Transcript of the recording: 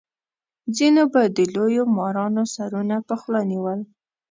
ځینو به د لویو مارانو سرونه په خوله نیول.